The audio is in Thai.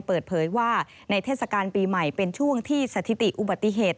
เปิดเผยว่าในเทศกาลปีใหม่เป็นช่วงที่สถิติอุบัติเหตุ